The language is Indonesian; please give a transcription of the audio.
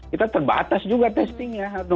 kita terbatas juga testingnya